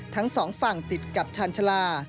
ทั้งสองฝั่งติดกับชาญชาลา